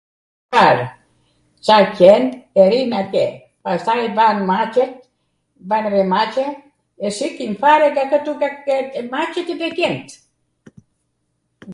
Fare. Ca qen dhe rrijn atje. Pastaj vanw maCe, vanw edhe maCe, e s'ikin fare nga kwtu edhe maCet edhe qent.